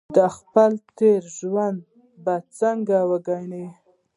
دا خپل تېر ژوند به څنګه وګڼي.